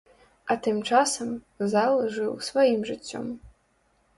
А тым часам зал жыў сваім жыццём.